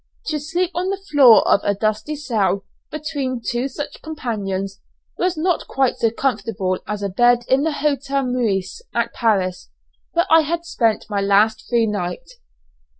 To sleep on the floor of a dusty cell, between two such companions, was not quite so comfortable as a bed in the Hotel Meurice, at Paris, where I had spent my last free night.